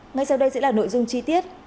ngay sau đây sẽ là nội dung chi tiết